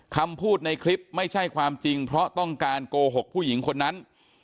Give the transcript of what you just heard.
คำพูดในคลิปไม่ใช่ความจริงเพราะต้องการโกหกผู้หญิงคนนั้น